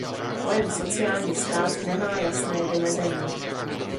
Pojem sociální stát nemá jasné vymezení.